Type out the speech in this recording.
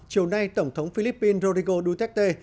chiều nay tổng thống philippines rodrigo duterte